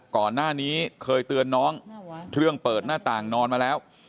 ก่อนหน้านี้เคยเตือนน้องเรื่องเปิดหน้าต่างนอนมาแล้ว